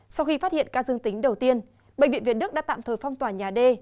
sau khi phát hiện ca dương tính đầu tiên bệnh viện việt đức đã tạm thời phong tỏa nhà d